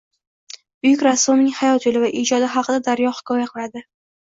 Buyuk rassomning hayot yo‘li va ijodi haqida Daryo hikoya qiladi